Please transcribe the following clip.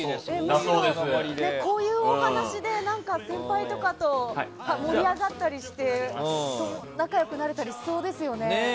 こういうお話で先輩とかと盛り上がったりして仲良くなれたりしそうですよね。